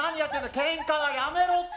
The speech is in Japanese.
ケンカはやめろって。